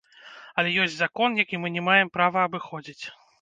Але ёсць закон, які мы не маем права абыходзіць.